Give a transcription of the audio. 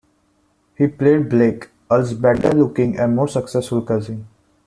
He played Blake, Earl's better-looking and more successful cousin.